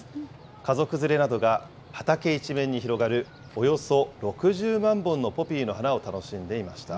家族連れなどが畑一面に広がる、およそ６０万本のポピーの花を楽しんでいました。